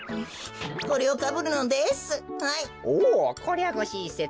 これをかぶるのです。